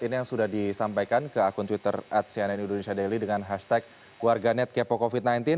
ini yang sudah disampaikan ke akun twitter at cnn indonesia daily dengan hashtag warganet kepo covid sembilan belas